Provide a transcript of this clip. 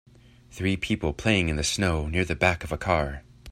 Three people playing in the snow near the back of a car.